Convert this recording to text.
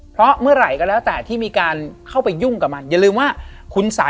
เพราะเมื่อไหร่ก็แล้วแต่ที่มีการเข้าไปยุ่งกับมัน